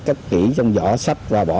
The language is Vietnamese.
cất kỹ trong vỏ sách và bỏ